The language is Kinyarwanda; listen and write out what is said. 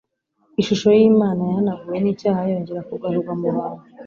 Ishusho y'Imana yahanaguwe n'icyaha yongera kugarurwa mu bantu.